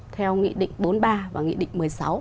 theo nghị định bốn mươi ba và nghị định một mươi sáu